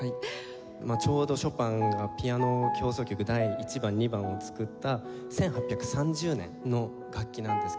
ちょうどショパンが『ピアノ協奏曲第１番』『２番』を作った１８３０年の楽器なんですけども。